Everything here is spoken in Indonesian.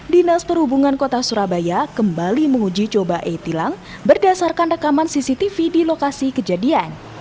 dinas perhubungan kota surabaya kembali menguji coba e tilang berdasarkan rekaman cctv di lokasi kejadian